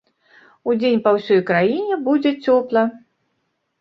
Удзень па ўсёй краіне будзе цёпла.